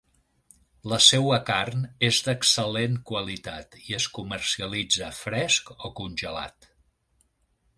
La seua carn és d'excel·lent qualitat i es comercialitza fresc o congelat.